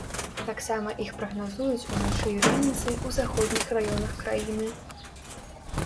Таксама іх прагназуюць уначы і раніцай у заходніх раёнах краіны.